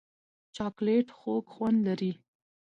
چاکلېټ خوږ خوند لري.